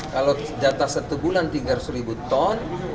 kalau jatah satu bulan tiga ratus ribu ton